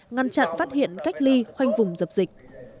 ngăn chặn phát hiện cách ly khoanh vùng dập dịch